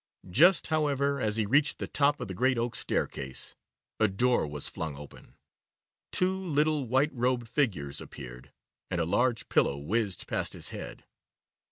Just, however, as he reached the top of the great oak staircase, a door was flung open, two little white robed figures appeared, and a large pillow whizzed past his head!